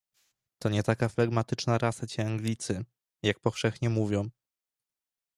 "To nie taka flegmatyczna rasa ci Anglicy, jak powszechnie mówią."